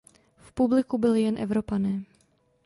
V publiku byli jen Evropané.